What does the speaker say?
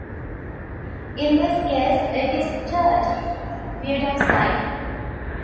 In this case, it is "tert"-butoxide.